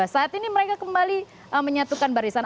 saat ini mereka kembali menyatukan barisan